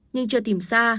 nhưng chưa tìm ra